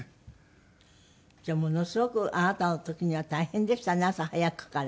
じゃあものすごくあなたの時には大変でしたね朝早くから。